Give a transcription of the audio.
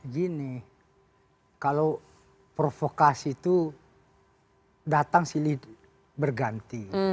gini kalau provokasi tuh datang sih berganti